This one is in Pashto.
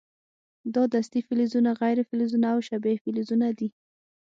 دا دستې فلزونه، غیر فلزونه او شبه فلزونه دي.